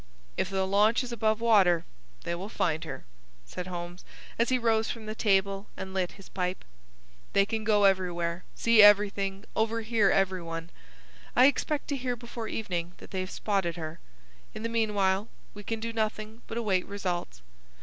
"If the launch is above water they will find her," said Holmes, as he rose from the table and lit his pipe. "They can go everywhere, see everything, overhear every one. I expect to hear before evening that they have spotted her. In the meanwhile, we can do nothing but await results.